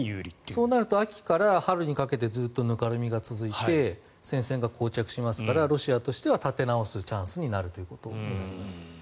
そうなると秋から春にかけてずっとぬかるみが続いて戦線がこう着しますからロシアとしては立て直すチャンスになるということだと思います。